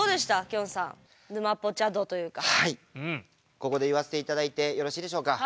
ここで言わせて頂いてよろしいでしょうか？